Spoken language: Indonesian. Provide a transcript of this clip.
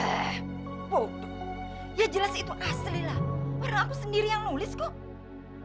eh bodoh ya jelas itu asli lah padahal aku sendiri yang nulis kok